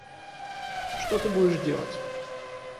Что ты будешь делать?